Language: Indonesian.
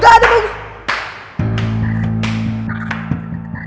gak ada bagus